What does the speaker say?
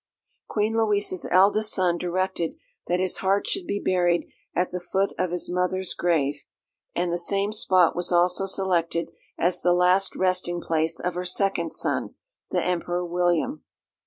Queen Louisa's eldest son directed that his heart should be buried at the foot of his mother's grave, and the same spot was also selected as the last resting place of her second son, the Emperor William.